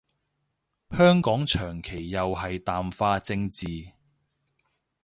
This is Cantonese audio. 香港長期又係淡化政治